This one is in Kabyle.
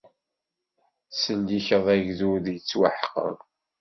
Tettsellikeḍ agdud yettwaḥeqren.